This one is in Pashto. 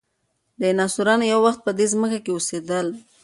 ډیناسوران یو وخت په دې ځمکه کې اوسېدل.